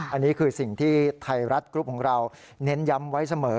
อันนี้คือสิ่งที่ไทยรัฐกรุ๊ปของเราเน้นย้ำไว้เสมอ